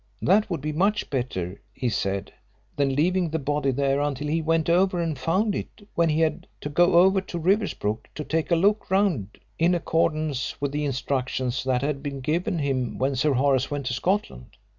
That would be much better, he said, than leaving the body there until he went over and found it when he had to go over to Riversbrook to take a look round, in accordance with the instructions that had been given him when Sir Horace went to Scotland.